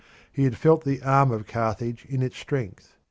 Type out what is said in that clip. He had felt the arm of Carthage in its strength.